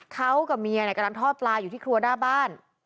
เขากับเมียกำลังทอดปลาอยู่ที่ครัวหน้าบ้าน